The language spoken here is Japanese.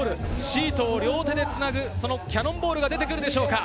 シートを両手でつなぐ、そのキャノンボールが出てくるでしょうか？